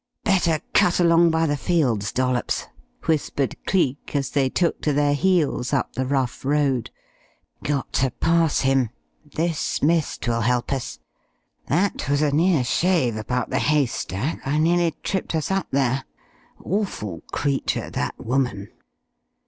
"Better cut along by the fields, Dollops," whispered Cleek as they took to their heels up the rough road. "Got to pass him. This mist will help us. That was a near shave about the haystack. I nearly tripped us up there. Awful creature, that woman!"